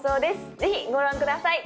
ぜひご覧ください。